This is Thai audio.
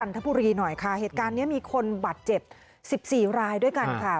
ทบุรีหน่อยค่ะเหตุการณ์นี้มีคนบาดเจ็บสิบสี่รายด้วยกันค่ะ